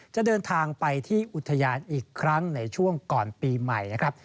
จะเดินทางไปที่อุทยานอีกครั้งในช่วงก่อนปีใหม่นะครับ